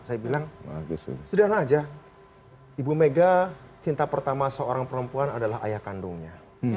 saya bilang sederhana aja ibu mega cinta pertama seorang perempuan adalah ayah kandungnya